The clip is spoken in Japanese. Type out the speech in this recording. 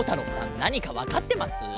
なにかわかってます？